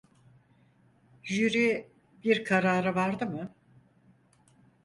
Jüri bir karara vardı mı?